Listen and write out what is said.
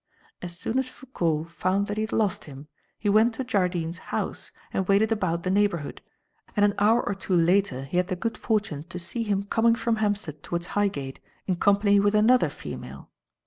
As soon as Foucault found that he had lost him, he went to Jardine's house and waited about the neighbourhood, and an hour or two later he had the good fortune to see him coming from Hampstead towards Highgate, in company with another female.